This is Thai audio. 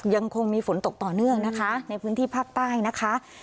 ยังคงมีฝนตกต่อเนื่องนะคะในพื้นที่ภาคใต้นะคะ